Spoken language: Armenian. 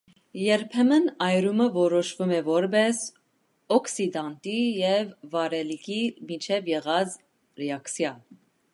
Երբեմն այրումը որոշվում է որպես օքսիդանտի և վառելիքի միջև եղած ռեակցիա։